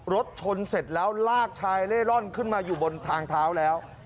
รถชนเสร็จแล้วลากชายเล่ร่อนขึ้นมาอยู่บนทางเท้าแล้ว